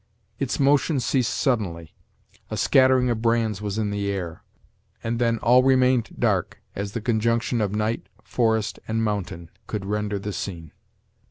Its motion ceased suddenly; a scattering of brands was in the air, and then all remained dark as the conjunction of night, forest, and mountain could render the scene.